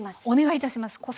お願いいたします。